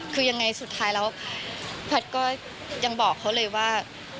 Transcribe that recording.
คือยังไงสุดท้ายแล้วแพทย์ก็ยังบอกเขาเลยว่า